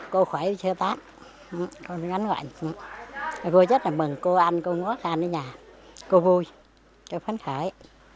cô khỏe chưa tát cô rất là mừng cô ăn cô ngó khăn ở nhà cô vui cô phán khởi